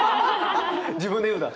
自分で言うんだ。